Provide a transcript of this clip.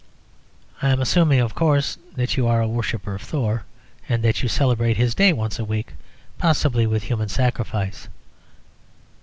I am assuming (of course) that you are a worshipper of Thor, and that you celebrate his day once a week, possibly with human sacrifice.